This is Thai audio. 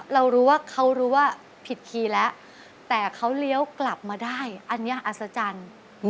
เรารู้ว่าเขารู้ว่าผิดคีย์แล้วแต่เขาเลี้ยวกลับมาได้อันนี้อัศจรรย์